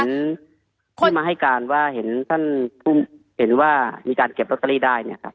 ที่มาให้การว่าเห็นท่านมีการเก็บล็อตเตอรี่ได้เนี่ยครับ